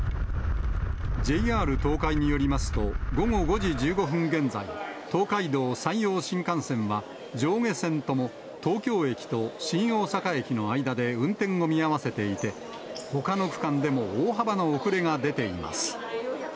ＪＲ東海によりますと、午後５時１５分現在、東海道・山陽新幹線は、上下線とも東京駅と新大阪駅の間で運転を見合わせていて、ほかの区間でも大幅な遅れが出ています。